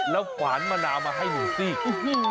แล้วขวานมะนาวมาให้หมูซีก